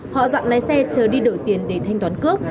họ dặn lái xe chờ đi đổi tiền để thanh toán cước